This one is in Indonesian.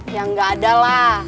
ya nggak ada lah